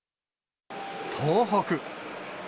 東北。